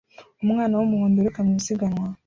Umwana wumuhondo wiruka mu isiganwa